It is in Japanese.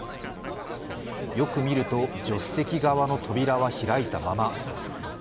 よく見ると助手席側の扉は開いたまま。